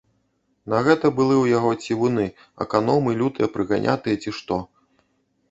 На гэта былы ў яго цівуны, аканомы, лютыя прыганятыя, ці што.